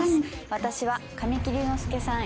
私は神木隆之介さん